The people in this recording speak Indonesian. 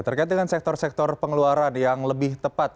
terkait dengan sektor sektor pengeluaran yang lebih tepat